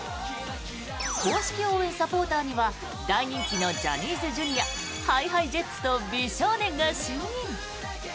公式応援サポーターには大人気のジャニーズＪｒ．ＨｉＨｉＪｅｔｓと美少年が就任。